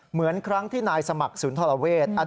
เหมือนครั้งที่นายสมัครศูนย์ธลเวช